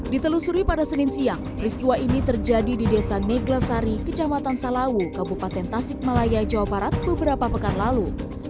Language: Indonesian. ditelusuri pada senin siang peristiwa ini terjadi di desa neglasari kecamatan salawu kabupaten tasik malaya jawa barat beberapa pekan lalu